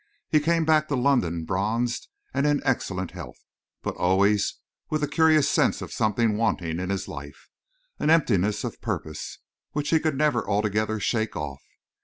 He came back to London bronzed and in excellent health, but always with a curious sense of something wanting in his life, an emptiness of purpose, which he could never altogether shake off.